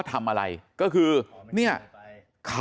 มันต้องการมาหาเรื่องมันจะมาแทงนะ